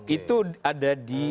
itu ada di